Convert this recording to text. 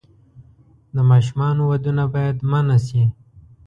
د ماشومانو ودونه باید منع شي.